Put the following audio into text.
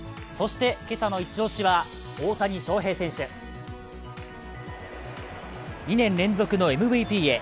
今朝の一押しは大谷翔平選手、２年連続のＭＶＰへ。